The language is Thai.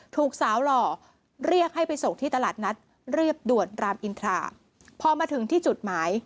ถูกสาวหล่อเรียกให้ไปส่งที่ตลาดนัดเรียบด่วนรามอินทราพอมาถึงที่จุดหมาย